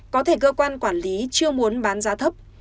có thể cơ quan quản lý chưa muốn bán giá thấp